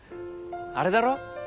あれだろ？